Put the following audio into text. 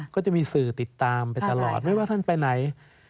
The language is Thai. ก็จะมีสื่อติดตามไปตลอดไม่ว่าท่านไปไหน